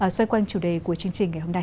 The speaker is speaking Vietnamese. xoay quanh chủ đề của chương trình ngày hôm nay